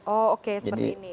oke seperti ini